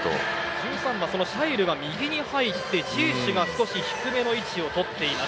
１３番、シャイルが右に入ってジエシュが少し低めの位置をとっています。